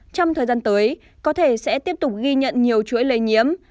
trong thời gian tới có thể sẽ tiếp tục ghi nhận nhiều chuỗi lây nhiễm